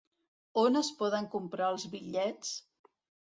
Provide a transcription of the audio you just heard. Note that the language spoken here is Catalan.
On es poden comprar els bitllets?